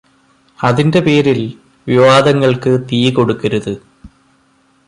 അതിന്റെ പേരിൽ വിവാദങ്ങൾക്ക് തീ കൊടുക്കരുത്.